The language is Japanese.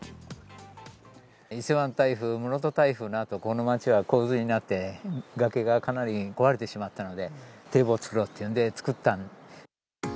伊勢湾台風、室戸台風のあと、この町は洪水になって、崖がかなり壊れてしまったので、堤防作ろうっていうんで作った。